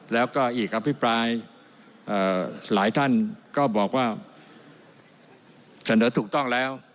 แล้วก็อีกอภิปรายหลายท่านก็บอกว่าเสนอถูกต้องแล้ว